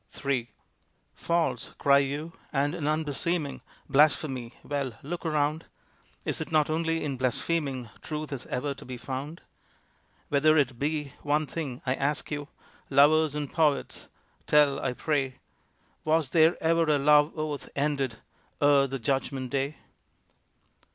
III "False!" cry you, "and an unbeseeming Blasphemy!" Well, look around. Is it not only in blaspheming Truth is ever to be found? Whether it be, one thing I ask you, Lovers and poets, tell, I pray, Was there ever a love oath ended Ere the Judgment Day?